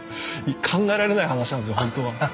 考えられない話なんですよ本当は。